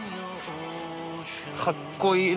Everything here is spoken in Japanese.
かっこいい！